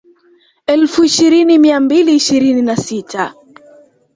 Elfu ishirini mia mbili ishirini na sita